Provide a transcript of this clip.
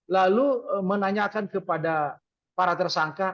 lalu menanyakan kepada para tersangka